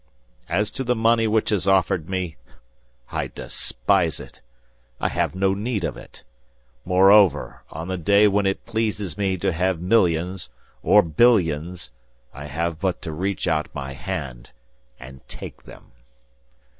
As to the money which is offered me, I despise it! I have no need of it. Moreover, on the day when it pleases me to have millions, or billions, I have but to reach out my hand and take them.